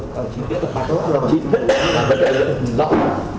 các đồng chí biết là ba trăm tám mươi chín là vấn đề lớn